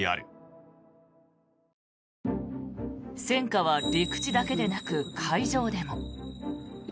戦火は陸地だけでなく会場でも。